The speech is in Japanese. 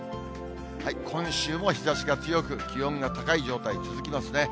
今週も日ざしが強く、気温が高い状態続きますね。